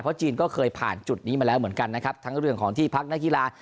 จีนก็เคยผ่านจุดนี้มาแล้วเหมือนกันนะครับทั้งเรื่องของที่พักนักกีฬา